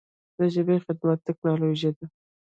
د ژبې خدمت ټکنالوژي ده.